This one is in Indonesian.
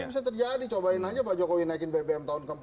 ini bisa terjadi cobain aja pak jokowi naikin bbm tahun ke empat